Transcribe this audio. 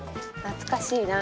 懐かしいな。